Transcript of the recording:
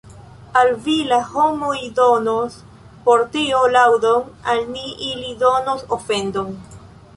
Al vi la homoj donos por tio laŭdon, al ni ili donos ofendon.